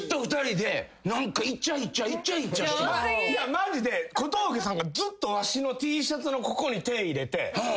マジで小峠さんがずっとワシのＴシャツのここに手入れてここにやで？